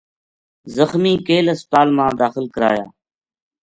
زخمی کیل ہسپتال ما داخل کرایا